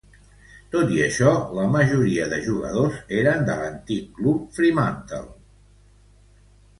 Tot i això, la majoria de jugadors eren de l"antic club Fremantle.